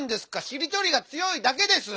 しりとりがつよいだけです！